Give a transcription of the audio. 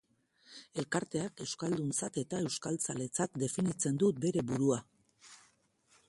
Elkarteak euskalduntzat eta euskaltzaletzat definitzen du bere burua.